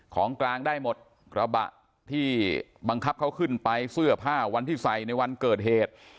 ของกลางได้หมดกระบะที่บังคับเขาขึ้นไปเสื้อผ้าวันที่ใส่ในวันเกิดเหตุ